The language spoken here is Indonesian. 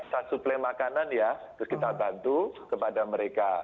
satu suple makanan ya terus kita tantu kepada mereka